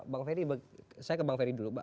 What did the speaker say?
bang ferry saya ke bang ferry dulu